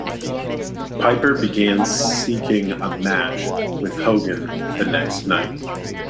Piper began seeking a match with Hogan the next night.